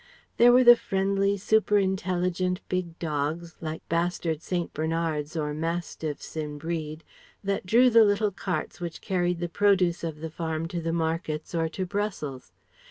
There were the friendly, super intelligent big dogs, like bastard St. Bernards or mastiffs in breed, that drew the little carts which carried the produce of the farm to the markets or to Brussels.